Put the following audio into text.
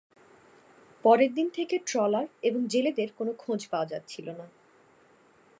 পরের দিন থেকে ট্রলার এবং জেলেদের কোনো খোঁজ পাওয়া যাচ্ছিল না।